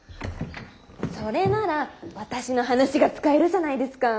それなら私の話が使えるじゃないですかー。